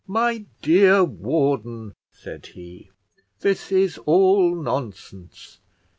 "My dear warden," said he, "this is all nonsense.